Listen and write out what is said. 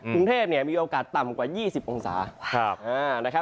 กรุงเทพมีโอกาสต่ำกว่า๒๐องศา